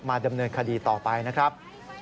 ดำเนินคดีต่อไปนะครับ